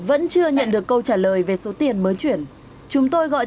ai chị nhận được rồi chị vừa bảo em là chị nhận được rồi mà